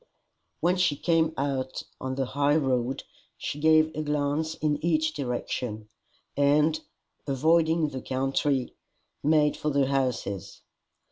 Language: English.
When she came out on the high road, she gave a glance in each direction, and, avoiding the country, made for the houses.